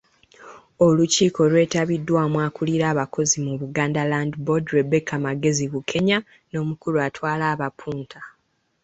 Olukiiko lwetabiddwamu akulira abakozi mu Buganda Land Board, Rebecca Magezi Bukenya n’omukulu atwala abapunta.